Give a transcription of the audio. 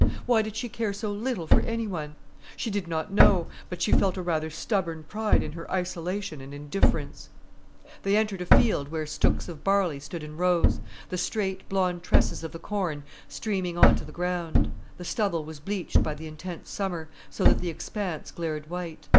Why did she care so little for anyone? She did not know, but she felt a rather stubborn pride in her isolation and indifference. They entered a field where stooks of barley stood in rows, the straight, blonde tresses of the corn streaming on to the ground. The stubble was bleached by the intense summer, so that the expanse glared white.